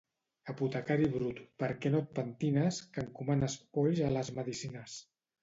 Apotecari brut, per què no et pentines, que encomanes polls a les medicines.